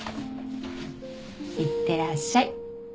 いってらっしゃい。